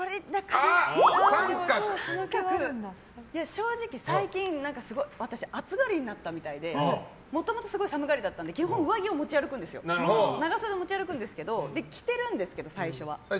正直、最近私暑がりになったみたいでもともと寒がりだったので基本、長袖の上着を持ち歩くんですけど着ているんですけど、最初は。